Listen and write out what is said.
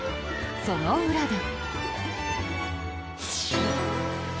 その裏で。